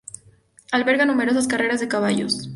Alberga numerosas carreras de caballos.